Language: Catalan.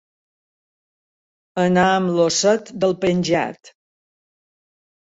Anar amb l'osset del penjat.